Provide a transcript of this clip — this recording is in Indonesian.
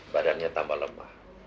badannya tambah lemah